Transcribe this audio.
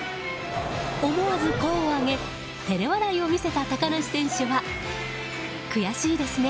思わず、声を上げ照れ笑いを見せた高梨選手は悔しいですね。